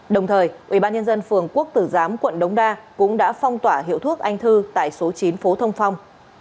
đồng thời ubnd phường quốc tử giám quận đống đa cũng đã phong tỏa hiệu thuốc anh thư tại số chín phố thông phong